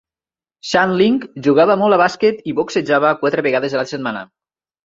Shandling jugava molt a bàsquet i boxejava quatre vegades a la setmana.